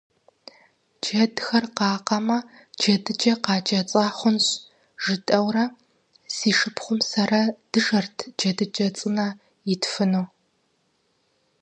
Джэдхэр къакъэмэ, «джэдыкӏэ къакӏэцӏа хъунщ» жытӏэурэ, си шыпхъум сэрэ дыжэрт джэдыкӏэ цӏынэ итфыну.